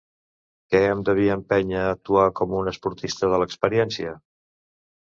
¿Què em devia empènyer a actuar com un esportista de l'experiència?